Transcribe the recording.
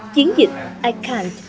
chiến dịch i can t